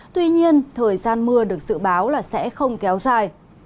tuy nhiên thời gian mưa được dự báo là sẽ không kéo dài